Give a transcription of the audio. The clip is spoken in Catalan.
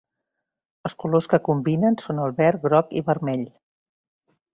Els colors que combinen són el verd, groc i vermell.